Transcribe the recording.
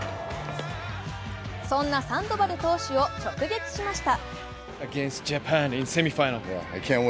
そんなサンバドル投手を直撃しました。